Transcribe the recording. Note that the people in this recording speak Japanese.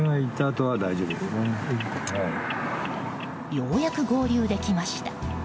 ようやく合流できました。